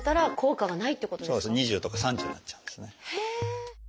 そうですね「２０」とか「３０」になっちゃうんですね。